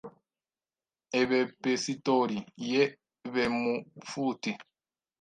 ebepesitori, ye bemufuti